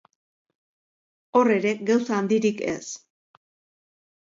Hor ere, gauza handirik ez.